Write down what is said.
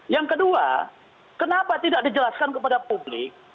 yang kedua kenapa tidak dijelaskan kepada publik